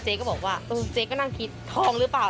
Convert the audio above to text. ก็บอกว่าเจ๊ก็นั่งคิดทองหรือเปล่า